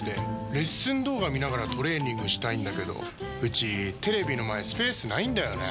レッスン動画見ながらトレーニングしたいんだけどうちテレビの前スペースないんだよねー。